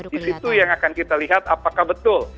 disitu yang akan kita lihat apakah betul